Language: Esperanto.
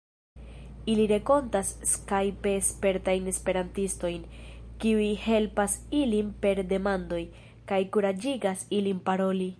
Ili renkontas skajpe spertajn esperantistojn, kiuj helpas ilin per demandoj, kaj kuraĝigas ilin paroli.